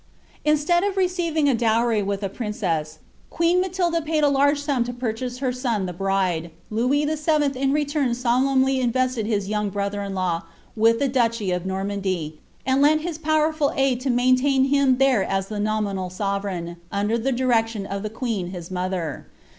Instead of receiving a dowry with a princess, queen Matilda paid a large sum to purchase her son the bride ; Louis VII. in return solemnly invested his young brother in law with the duchy of Normandy, and lent his powerful aid to maintain him there as the nominal sovereign, under the direction of the queen his mother.